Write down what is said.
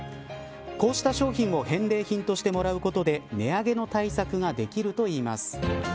こうした商品を返礼品としてもらうことで値上げの対策ができるといいます。